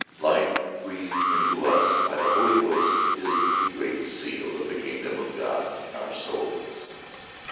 Life breathed into us by the Holy Ghost is the great seal of the kingdom of God in our souls.